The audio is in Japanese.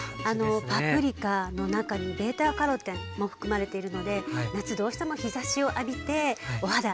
パプリカの中にベータカロテンも含まれているので夏どうしても日ざしを浴びてお肌しみ気になりますよね。